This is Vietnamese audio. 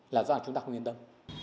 là do là chúng ta không yên tâm